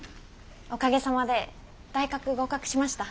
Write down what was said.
おかげさまで大学合格しました。